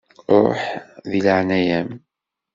Ruḥ, deg leɛnaya-m.